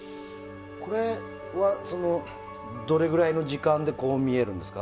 これは、どれぐらいの時間でこう見えるんですか？